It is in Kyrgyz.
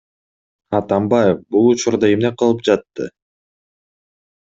Атамбаев бул учурда эмне кылып жатты?